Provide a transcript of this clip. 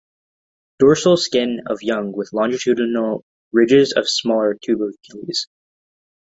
Dorsal skin of young with longitudinal ridges of small tubercles.